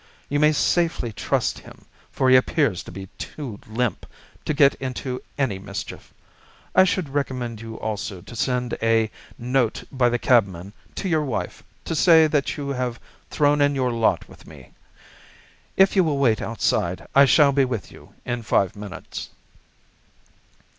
You may safely trust him, for he appears to be too limp to get into any mischief. I should recommend you also to send a note by the cabman to your wife to say that you have thrown in your lot with me. If you will wait outside, I shall be with you in five minutes."